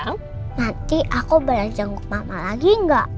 nanti aku boleh jenguk mama lagi gak